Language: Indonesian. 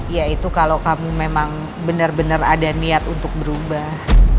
ya itu kalau kamu memang benar benar ada niat untuk berubah